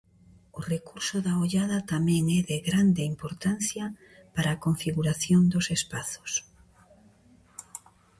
O recurso da ollada tamén é de grande importancia para a configuración dos espazos.